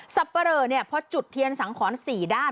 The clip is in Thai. สับปะเลอพอจุดเทียนสังขร๔ด้าน